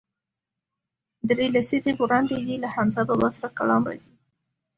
درې لسیزې وړاندې یې له حمزه بابا سره کلام راځي.